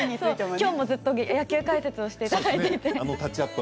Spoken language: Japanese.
きょうもずっと野球解説をしていただいて。